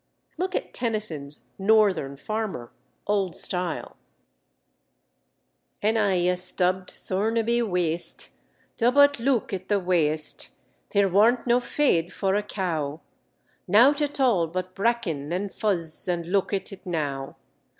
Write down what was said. Look at Tennyson's Northern Farmer (old style): "'An I a stubb'd Thurnaby waäste. Dobbut looök at the waäste, theer warnt no feeäd for a cow, Nowt at all but bracken an fuzz, an looök at it now.